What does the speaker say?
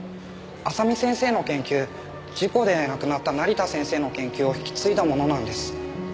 麻美先生の研究事故で亡くなった成田先生の研究を引き継いだものなんです。